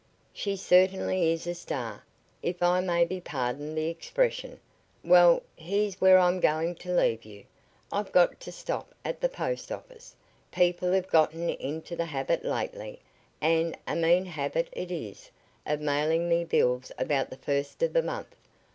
"She certainly is a star, if I may be pardoned the expression. Well, here's where I'm going to leave you. I've got to stop at the post office. People have gotten into the habit lately, and a mean habit it is, of mailing me bills about the first of the month.